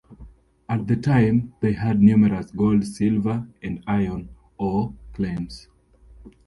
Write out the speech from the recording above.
At the time they had numerous gold, silver, and iron ore claims.